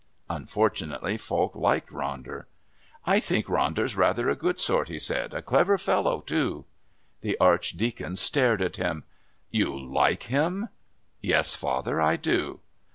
Unfortunately Falk liked Ronder. "I think Ronder's rather a good sort," he said. "A clever fellow, too." The Archdeacon stared at him. "You like him?" "Yes, father, I do."